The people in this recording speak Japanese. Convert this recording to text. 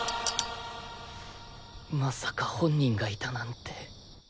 まさか本人がいたなんて。